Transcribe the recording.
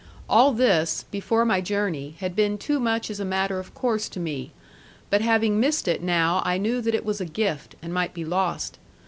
All this, before my journey, had been too much as a matter of course to me; but having missed it now I knew that it was a gift, and might be lost.